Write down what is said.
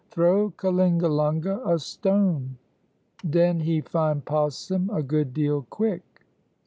"Throw Kalingalunga a stone, den he find possum a good deal quick."